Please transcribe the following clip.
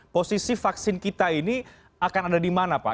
posisi vaksin kita ini akan ada di mana pak